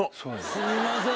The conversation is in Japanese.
すみません！